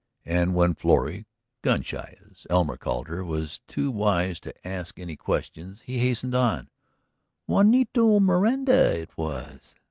And when Florrie, "gun shy" as Elmer called her, was too wise to ask any questions, he hastened on: "Juanito Miranda it was.